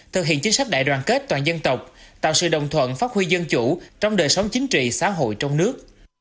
thực hiện chính sách đại đoàn kết toàn dân tộc tạo sự đồng thuận phát huy dân chủ trong đời sống chính trị xã hội trong nước